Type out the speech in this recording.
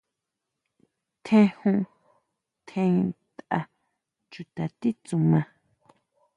Tjen jun, tjen tʼa chuta titsuma.